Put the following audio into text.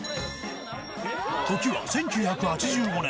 時は１９８５年。